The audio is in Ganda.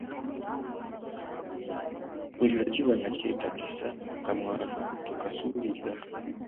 Buli lwe kiba nga kyetaagisa, akamwano tokasuulirira.